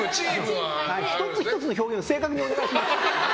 １つ１つの表現を正確にお願いします。